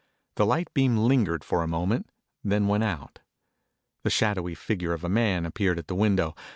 The light beam lingered for a moment, then went out. The shadowy figure of a man appeared at the window.